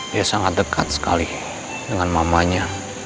dia sangat dekat sekali dengan mamanya